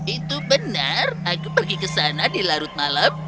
itu benar aku pergi ke sana di larut malam